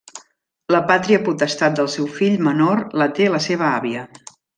La pàtria potestat del seu fill menor la té la seva àvia.